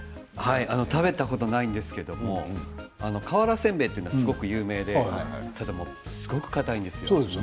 食べたことないんですけど瓦せんべいはすごく有名ですごくかたいんですよ。